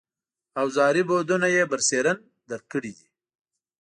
اوزاري بعدونه یې برسېرن درک کړي دي.